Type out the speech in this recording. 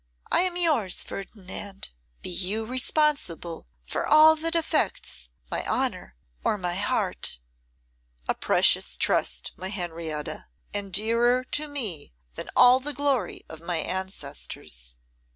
I am yours, Ferdinand. Be you responsible for all that affects my honour or my heart.' 'A precious trust, my Henrietta, and dearer to me than all the glory of my ancestors.